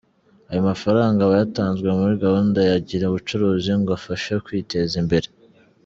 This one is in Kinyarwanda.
Ayo mafaranga aba yatanzwe muri gahunda ya ‘Gira ubucuruzi’ ngo abafashe kwiteza imbere.